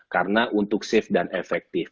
karena untuk safe dan efektif